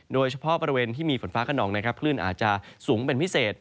โดยเฉพาะบริเวณที่มีฝนฟ้าขนองนะครับคลื่นอาจจะสูงเป็นพิเศษ